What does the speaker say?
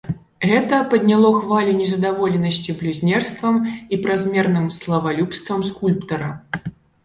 Гэта падняло хвалю незадаволенасці блюзнерствам і празмерным славалюбствам скульптара.